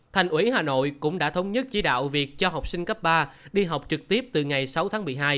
thành ủy hà nội cũng đã thống nhất chỉ đạo việc cho học sinh cấp ba đi học trực tiếp từ ngày sáu tháng một mươi hai